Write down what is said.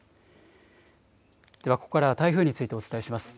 ではここからは台風についてお伝えします。